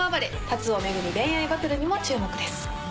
龍を巡る恋愛バトルにも注目です。